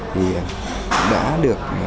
thì đã được